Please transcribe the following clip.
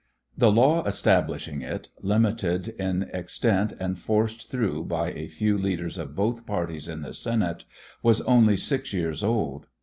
The law establishing it, limited in extent and forced through by a few leaders of both parties in the Senate, was only six years old.